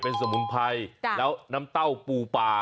เป็นสมุนไพรแล้วน้ำเต้าปูป่า